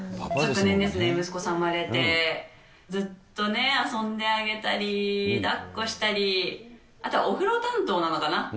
昨年ですね、息子さん産まれて、ずっとね、遊んであげたり、だっこしたり、あとはお風呂担当なのかな？